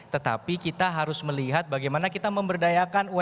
tetapi kita harus melihat bagaimana kita memberdayakan umkm yang enam delapan juta